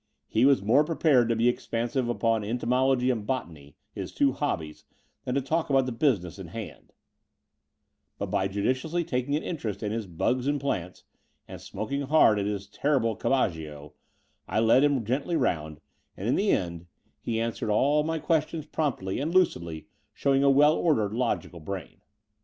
He was more prepared to be expansive upon entomology and botany, his two hobbies, than to talk about the business in hand; but by judicially taking an interest in his bugs and plants, and smoking hard at his horrible cabbagio, I led him gently round, and in the end he answered all The Brighton Road 93 my questions promptly and lucidly, showing a well ordered, logical brain.